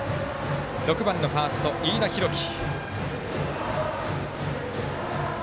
６番ファースト、飯田大貴。